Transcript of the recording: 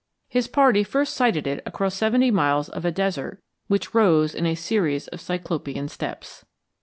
His party first sighted it across seventy miles of a desert which "rose in a series of Cyclopean steps."